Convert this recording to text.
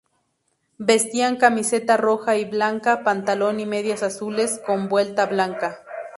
Vestían camiseta roja y blanca, pantalón y medias azules con vuelta blanca.